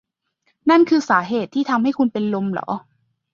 นั่นคือสาเหตุที่ทำให้คุณเป็นลมเหรอ